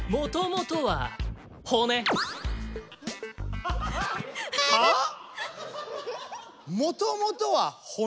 もともとは骨？！